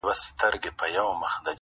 د مرګي د کوهي لاره مو اخیستې -